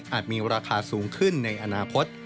มีราคาสูงขึ้นในอนาคต